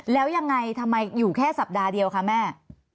แล้วยังไงทำไมอยู่แค่สัปดาห์เดียวคะแม่